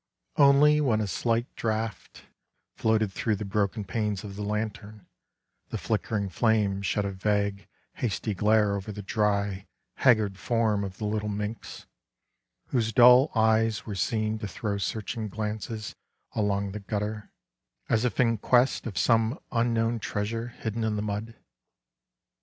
Only when a slight draught floated through the broken panes of the lantern „ the flickerng flame shed a vague, hasty glare over the dry,, haggard form of the little minx, whose dull eyes were seen to throw searching glances along the gutter, as if in quest of some unknown treasure hidden in the mud.